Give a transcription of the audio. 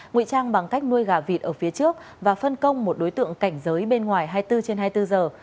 nguy trang bằng cách nuôi gà vịt ở phía trước và phân công một đối tượng cảnh giới bên ngoài hai mươi bốn trên hai mươi bốn giờ